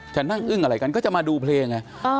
จะนั่งอึ้งอะไรกันก็จะมาดูเพลงไง